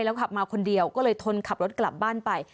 ขับมาคนเดียวก็เลยทนขับรถกลับบ้านไป